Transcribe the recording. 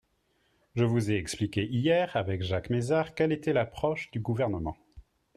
Je vous ai expliqué hier, avec Jacques Mézard, quelle était l’approche du Gouvernement.